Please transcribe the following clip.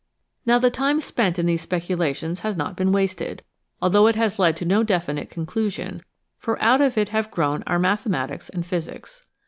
Now the time spent in these speculations has not been wasted, although it has led to no definite conclusion, for out of it have grown our mathematics THE CONUNDRUM OF THE AGES 13 and physics.